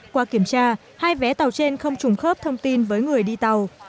qua kiểm tra hai vé tàu trên không trùng khớp thông tin với người đi tàu